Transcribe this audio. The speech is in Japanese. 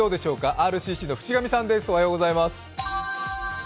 ＲＣＣの渕上さんです。